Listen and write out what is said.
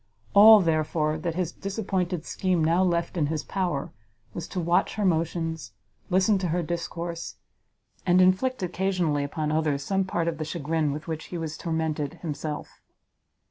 All, therefore, that his disappointed scheme now left in his power, was to watch her motions, listen to her discourse, and inflict occasionally upon others some part of the chagrin with which he was tormented himself.